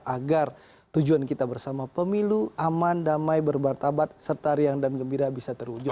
agar tujuan kita bersama pemilu aman damai berbartabat serta riang dan gembira bisa terwujud